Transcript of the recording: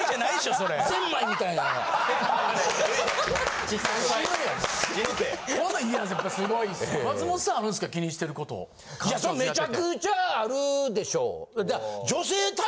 そりゃめちゃくちゃあるでしょ。